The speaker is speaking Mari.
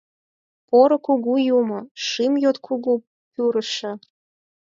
Поро кугу юмо, шым йот кугу пӱрышӧ!